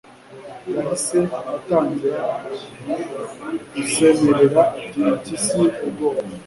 yhise atangira gusemerera ati impyisi! ubwoya